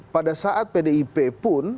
pada saat pdip pun